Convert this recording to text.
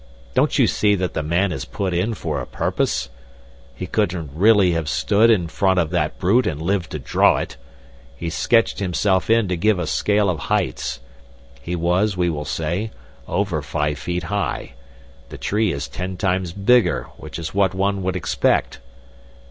Don't you see that the man is put in for a purpose? He couldn't really have stood in front of that brute and lived to draw it. He sketched himself in to give a scale of heights. He was, we will say, over five feet high. The tree is ten times bigger, which is what one would expect."